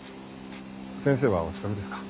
先生はお近くですか？